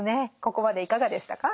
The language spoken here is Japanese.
ここまでいかがでしたか？